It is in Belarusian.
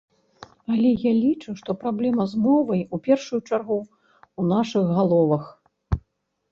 Але я лічу, што праблема з мовай у першую чаргу ў нашых галовах.